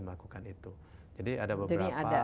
melakukan itu jadi ada beberapa